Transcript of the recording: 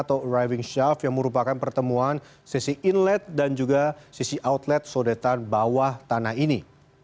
atau arriving shaft yang merupakan pertemuan sisi inlet dan juga sisi outlet sodetan bawah tanah ini